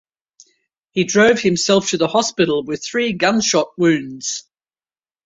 He drove himself to the hospital with three gunshot wounds.